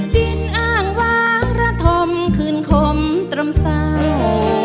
ดินอ้างวางระธมคืนคมตรำสาว